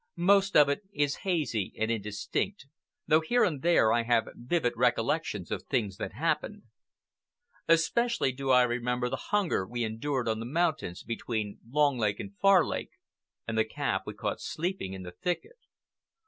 Most of it is hazy and indistinct, though here and there I have vivid recollections of things that happened. Especially do I remember the hunger we endured on the mountains between Long Lake and Far Lake, and the calf we caught sleeping in the thicket.